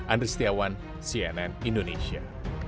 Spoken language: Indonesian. andri setiawan cnn indonesia